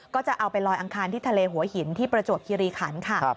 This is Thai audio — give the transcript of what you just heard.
ก็จะเอาไปลอยอังคารที่ทะเลหัวหินที่ประจวบคิริขันค่ะ